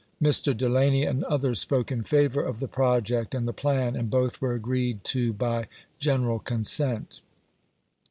Mr. Dcl&ny and otherb spoke in favor of the project and the plan, and both were agreed to by general consent.